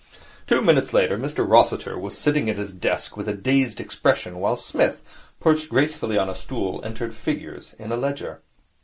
Two minutes later, Mr Rossiter was sitting at his desk with a dazed expression, while Psmith, perched gracefully on a stool, entered figures in a ledger.